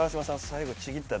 最後ちぎった！